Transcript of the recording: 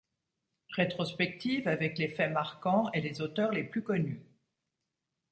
Rétrospective avec les faits marquants et les auteurs les plus connus.